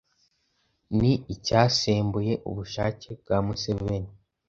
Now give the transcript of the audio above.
ni icyasembuye ubushake bwa Museveni